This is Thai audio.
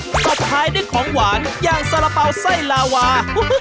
ตบท้ายด้วยของหวานอย่างสาระเป๋าไส้ลาวา